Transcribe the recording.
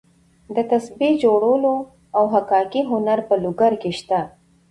د تسبیح جوړولو او حکاکۍ هنر په لوګر کې شته.